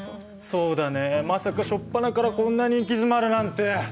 そうだねまさか初っぱなからこんなに行き詰まるなんて。